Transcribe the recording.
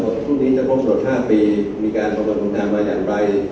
ครับตอนนี้จะพรมตรวจ๕ปีมีการประกอบดังงานมาอย่างไร